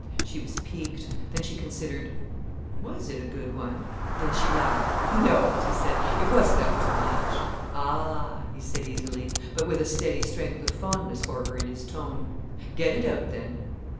She was piqued. Then she considered—was it a good one? Then she laughed. "No," she said, "it wasn't up to much." "Ah!" he said easily, but with a steady strength of fondness for her in his tone. "Get it out then."